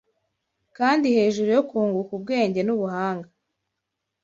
kandi hejuru yo kunguka ubwenge n’ubuhanga